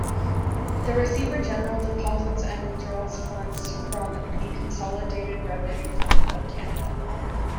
The Receiver General deposits and withdraws funds from the Consolidated Revenue Fund of Canada.